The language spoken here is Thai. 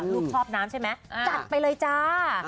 ลูกชอบน้ำใช่ไหมจัดไปเลยจ้า